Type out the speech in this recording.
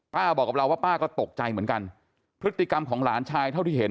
บอกกับเราว่าป้าก็ตกใจเหมือนกันพฤติกรรมของหลานชายเท่าที่เห็น